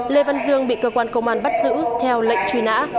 lê văn dương bị cơ quan công an bắt giữ theo lệnh truy nã